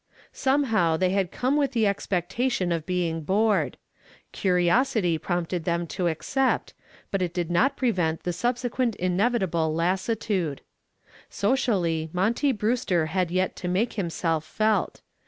Somehow they had come with the expectation of being bored. Curiosity prompted them to accept, but it did not prevent the subsequent inevitable lassitude. Socially Monty Brewster had yet to make himself felt.